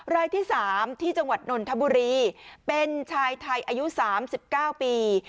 รายที่๓ที่จังหวัดนนทบุรีเป็นชายไทยอายุ๓๙ปี